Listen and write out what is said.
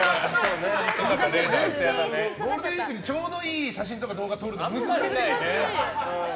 ゴールデンウィークにちょうどいい写真とか動画撮るのは難しいね。